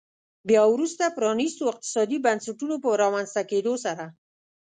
بیا وروسته پرانیستو اقتصادي بنسټونو په رامنځته کېدو سره.